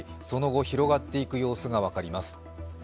その後、広がっていく様子が分かります。